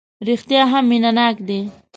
رېښتیا هم مینه ناک دی.